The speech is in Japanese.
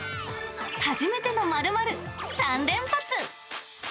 初めての○○３連発。